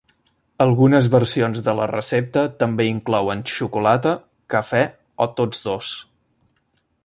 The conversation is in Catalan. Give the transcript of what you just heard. Algunes versions de la recepta també inclouen xocolata, cafè o tots dos.